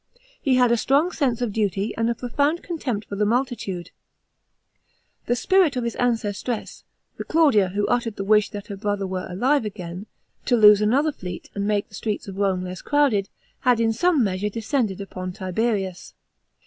H • had a strong sense of duty, and a profound contempt for the multitude. The spirit of his ancestress, the Claudia who uttered the wish that her brother were ali"e ajcain, t » lose another fleet and make the streets of Rome less crowded, had iu come measure descended upon Tiberius.